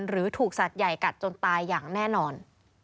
หรือถูกสัตว์ใหญ่กัดจนตายอย่างแน่นอน